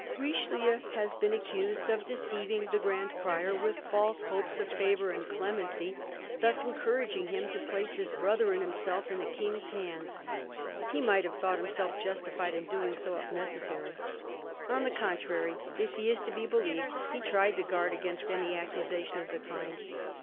Richelieu has been accused of deceiving the Grand Prior with false hopes of favour and clemency, thus encouraging him to place his brother and himself in the King's hands. He might have thought himself justified in doing so, if necessary. On the contrary, if he is to be believed, he tried to guard against any accusation of the kind.